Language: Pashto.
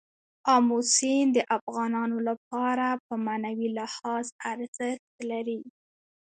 آمو سیند د افغانانو لپاره په معنوي لحاظ ارزښت لري.